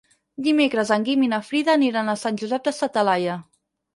Dimecres en Guim i na Frida aniran a Sant Josep de sa Talaia.